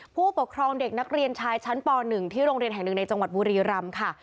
ผู้ปกครองเด็กนักเรียนชายชั้นป๑ที่โรงเรียนแห่งหนึ่งในจังหวัดบุรีรำค่ะ